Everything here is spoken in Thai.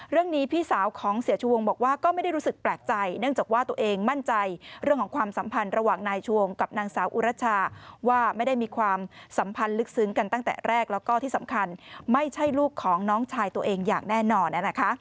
พี่สาวของเสียชูวงบอกว่าก็ไม่ได้รู้สึกแปลกใจเนื่องจากว่าตัวเองมั่นใจเรื่องของความสัมพันธ์ระหว่างนายชวงกับนางสาวอุรัชชาว่าไม่ได้มีความสัมพันธ์ลึกซึ้งกันตั้งแต่แรกแล้วก็ที่สำคัญไม่ใช่ลูกของน้องชายตัวเองอย่างแน่นอน